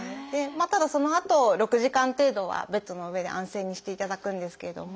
ただそのあと６時間程度はベッドの上で安静にしていただくんですけれども。